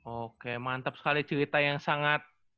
oke mantap sekali cerita yang sangat